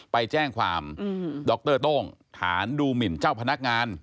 ไปแจ้งความดรโต้งฐานดูหมินเจ้าพนักงาน